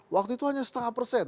waktu itu hanya setengah persen